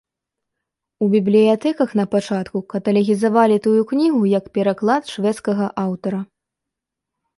У бібліятэках напачатку каталагізавалі тую кнігу як пераклад шведскага аўтара.